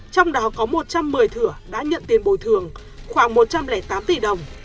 trong đó có một trăm một mươi thửa đã nhận tiền bồi thường khoảng một trăm linh tám tỷ đồng